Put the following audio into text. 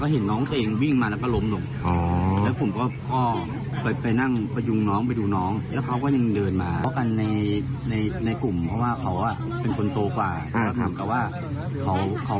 เหมือนกับเขาเป็นคนโตกว่า